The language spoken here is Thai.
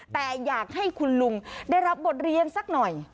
แต่อยากให้คุณลุงได้รับบทเรียนสักหน่อย